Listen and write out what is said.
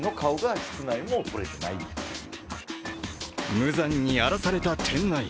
無残に荒らされた店内。